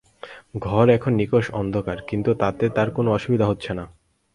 ঘর এখন নিকষ অন্ধকার, কিন্তু তাতে তার কোনো অসুবিধা হচ্ছে না।